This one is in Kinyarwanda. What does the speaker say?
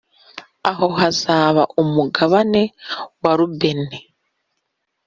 aho hazaba umugabane wa Rubeni